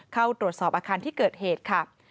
เข้าตรวจสอบอาคารที่เกิดเหตุค่ะ